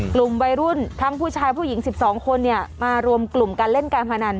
กลุ่มวัยรุ่นทั้งผู้ชายผู้หญิง๑๒คนมารวมกลุ่มการเล่นการพนัน